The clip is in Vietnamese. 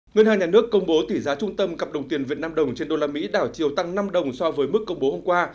ngân hàng nhà nước công bố tỷ giá trung tâm cặp đồng tiền việt nam đồng trên đô la mỹ đảo chiều tăng năm đồng so với mức công bố hôm qua